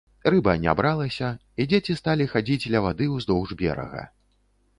Рыба не бралася і дзеці сталі хадзіць ля вады ўздоўж берага.